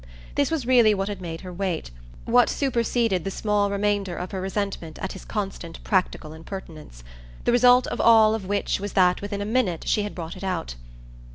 This was really what had made her wait what superseded the small remainder of her resentment at his constant practical impertinence; the result of all of which was that within a minute she had brought it out.